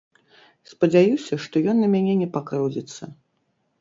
Спадзяюся, што ён на мяне не пакрыўдзіцца.